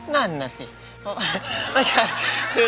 นั่นอ่ะสิ